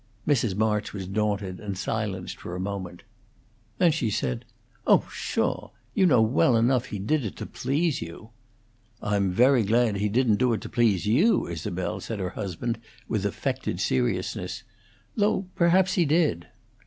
Mrs. March was daunted and silenced for a moment. Then she said: "Oh, pshaw! You know well enough he did it to please you." "I'm very glad he didn't do it to please you, Isabel," said her husband, with affected seriousness. "Though perhaps he did."